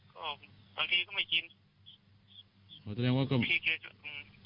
ก็บางทีก็ไม่กิน